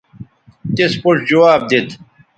تس پوڇ جواب دیت